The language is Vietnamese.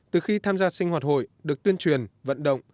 từ khi tham gia sinh hoạt hội được tuyên truyền vận động